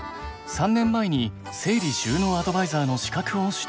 ３年前に整理収納アドバイザーの資格を取得。